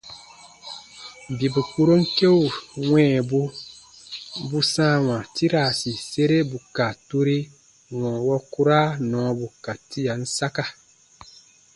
Bibu kpuron keu wɛ̃ɛbu bu sãawa tiraasi sere bù ka turi wɔ̃ɔ wukura nɔɔbu ka tian saka.